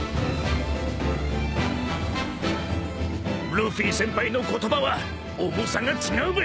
［ルフィ先輩の言葉は重さが違うべ］